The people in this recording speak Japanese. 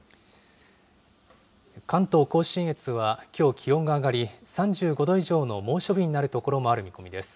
関東甲信越はきょう気温が上がり、３５度以上の猛暑日になる所もある見込みです。